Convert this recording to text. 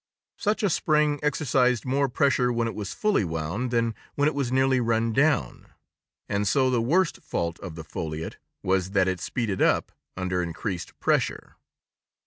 Such a spring exercised more pressure when fully wound than when it was nearly run down. And so the worst fault of the foliot was that it speeded up under increased pressure.